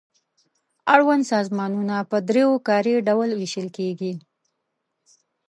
اړوند سازمانونه په دریو کاري ډلو وېشل کیږي.